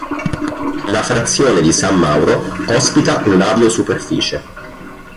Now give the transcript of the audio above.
La frazione di San Mauro ospita un'aviosuperficie.